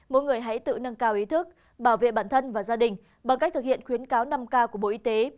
mỗi người hãy tự nâng cao ý thức bảo vệ bản thân và gia đình bằng cách thực hiện khuyến cáo năm k của bộ y tế